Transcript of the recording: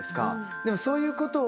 でもそういうことを。